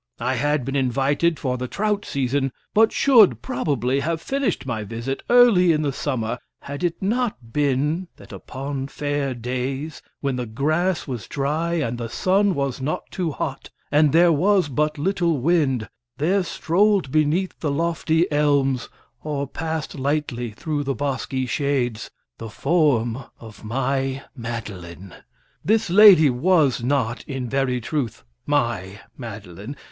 I had been invited for the trout season, but should, probably, have finished my visit early in the summer had it not been that upon fair days, when the grass was dry, and the sun was not too hot, and there was but little wind, there strolled beneath the lofty elms, or passed lightly through the bosky shades, the form of my Madeline. This lady was not, in very truth, my Madeline.